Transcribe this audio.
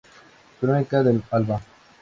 Crónica del alba.